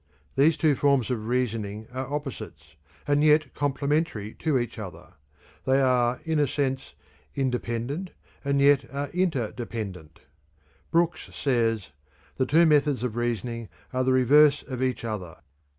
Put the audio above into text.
These two forms of reasoning are opposites and yet complementary to each other; they are in a sense independent and yet are interdependent. Brooks says: "The two methods of reasoning are the reverse of each other.